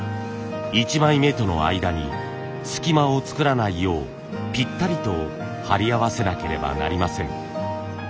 １枚目との間に隙間を作らないようピッタリと貼り合わせなければなりません。